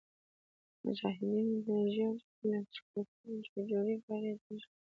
مجاهدینو به ژر د کلشینکوف ججوري پرې تش کړ.